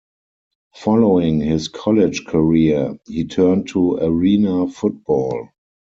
Following his college career, he turned to Arena Football.